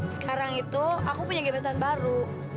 sekarang itu aku punya jabatan baru